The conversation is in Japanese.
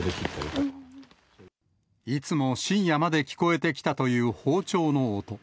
いつも深夜まで聞こえてきたという包丁の音。